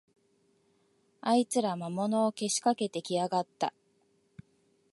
あいつら、魔物をけしかけてきやがった